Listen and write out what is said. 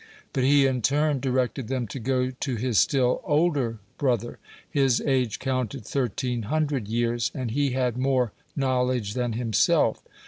But he in turn directed them to go to his still older brother. His age counted thirteen hundred years, and he had more knowledge than himself.